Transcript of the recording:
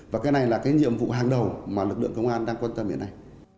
và cái này là cái nhiệm vụ hàng đầu mà lực lượng công an đang quan tâm đến này